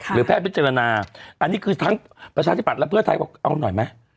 แพทย์พิจารณาอันนี้คือทั้งประชาธิบัตย์และเพื่อไทยบอกเอาหน่อยไหม